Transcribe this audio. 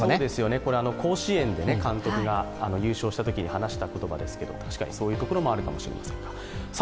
甲子園で監督が優勝したときに話した言葉ですけど確かにそういうところもあるかもしれません。